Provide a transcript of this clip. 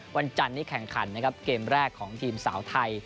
วันจันทร์นี้แข่งขันนะครับเกมแรกของทีมสาวไทย